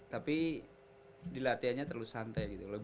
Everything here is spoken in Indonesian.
tapi di latihannya terlalu santai gitu